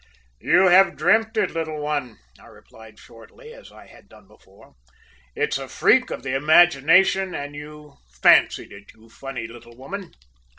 "`You have dreamt it, little one,' I replied shortly, as I had done before. `It's a freak of the imagination, and you fancied it, you funny little woman.'